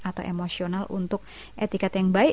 atau emosional untuk etikat yang baik